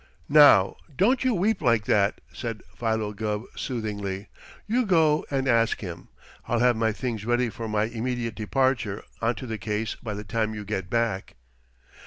"Now, don't you weep like that," said Philo Gubb soothingly. "You go and ask him. I'll have my things ready for my immediate departure onto the case by the time you get back."